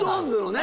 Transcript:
ね